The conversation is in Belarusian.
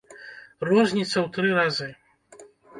Розніца ў тры разы!